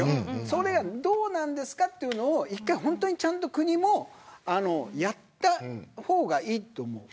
それはどうなんですかというのを国もちゃんとやった方がいいと思う。